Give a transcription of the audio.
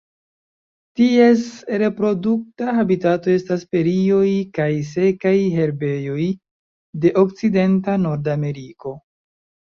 Ties reprodukta habitato estas prerioj kaj sekaj herbejoj de okcidenta Nordameriko.